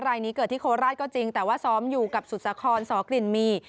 รายนี้เกิดที่โคราชก็จริงแต่ว่าซ้อมอยู่กับสุสาครสอกลิ่นมี